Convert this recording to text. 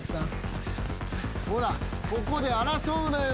ほらここで争うなよ